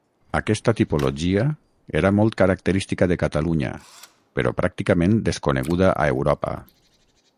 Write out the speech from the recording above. Aquesta tipologia era molt característica de Catalunya però pràcticament desconeguda a Europa.